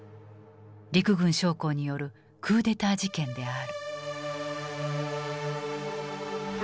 陸軍将校によるクーデター事件である。